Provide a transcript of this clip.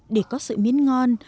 để có sợi miến ngon